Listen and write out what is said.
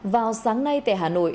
vào sáng nay tại hà nội